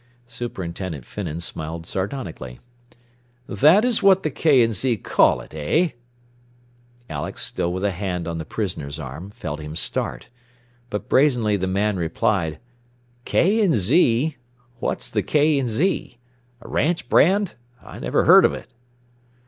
Superintendent Finnan smiled sardonically. "That is what the K. & Z. call it, eh?" Alex, still with a hand on the prisoner's arm, felt him start. But brazenly the man replied, "K. & Z.? What's the K. & Z.? A ranch brand? I never heard of it."